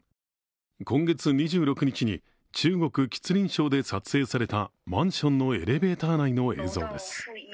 今月２６日に中国吉林省で撮影されたマンションのエレベーター内の映像です。